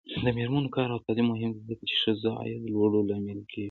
د میرمنو کار او تعلیم مهم دی ځکه چې ښځو عاید لوړولو لامل دی.